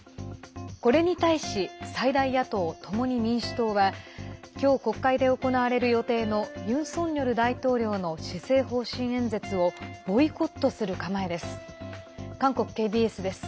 これに対し最大野党・共に民主党は今日国会で行われる予定のユン・ソンニョル大統領の施政方針演説をボイコットする構えです。